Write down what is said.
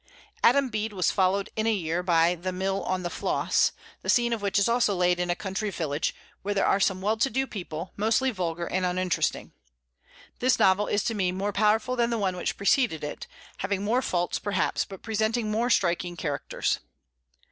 "Adam Bede" was followed in a year by "The Mill on the Floss," the scene of which is also laid in a country village, where are some well to do people, mostly vulgar and uninteresting. This novel is to me more powerful than the one which preceded it, having more faults, perhaps, but presenting more striking characters.